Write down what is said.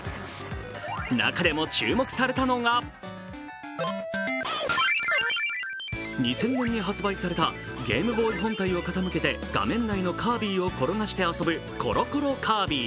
中でも注目されたのが２０００年に発売されたＧＡＭＥＢＯＹ本体を傾けて画面内のカービィを転がして遊ぶ「コロコロカービィ」。